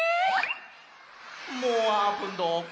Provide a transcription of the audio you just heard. もうあーぷんどこ？